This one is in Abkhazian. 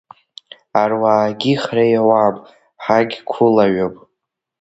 Аруаагьы ҳреиуам, ҳагьқәылаҩым…